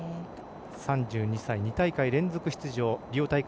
３２歳、２大会連続出場リオ大会